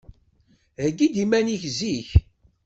Heyyi-d iman-ik zik.